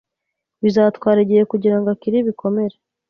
Bizatwara igihe kugirango akire ibikomere.